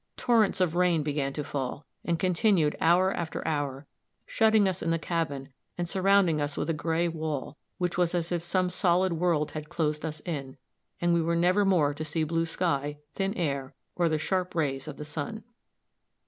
Torrents of rain began to fall, and continued hour after hour, shutting us in the cabin, and surrounding us with a gray wall, which was as if some solid world had closed us in, and we were nevermore to see blue sky, thin air, or the sharp rays of the sun.